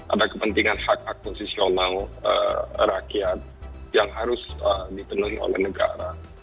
ada kepentingan hak hak konstitusional rakyat yang harus dipenuhi oleh negara